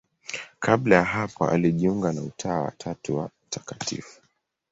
Kabla ya hapo alijiunga na Utawa wa Tatu wa Mt.